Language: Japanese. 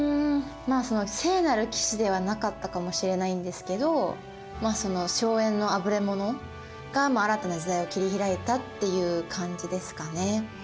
まあその聖なる騎士ではなかったかもしれないんですけど荘園のあぶれ者が新たな時代を切り開いたっていう感じですかね。